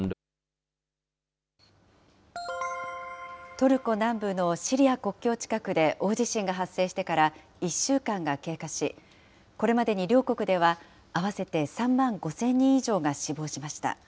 トルコ南部のシリア国境近くで大地震が発生してから１週間が経過し、これまでに両国では、合わせて３万５０００人以上が死亡しました。